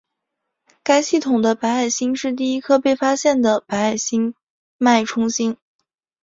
该系统的白矮星是第一颗被发现的白矮星脉冲星。